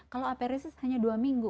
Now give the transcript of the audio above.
kalau aperises hanya dua minggu